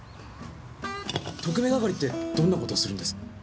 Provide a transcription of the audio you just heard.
特命係ってどんな事するんです？